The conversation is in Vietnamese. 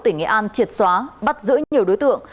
tỉnh nghệ an triệt xóa bắt giữ nhiều đối tượng